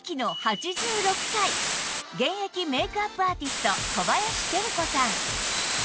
現役メイクアップアーティスト小林照子さん